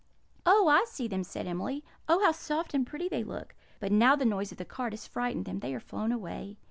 "Oh, I see them!" said Emily. "Oh, how soft and pretty they look! But now the noise of the cart has frightened them; they are flown away."